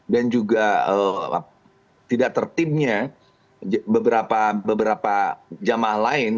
dan juga tidak tertibnya beberapa jamaah lain